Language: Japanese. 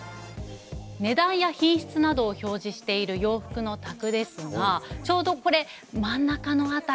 値段や品質などを表示している洋服のタグですがちょうどこれ真ん中の辺り。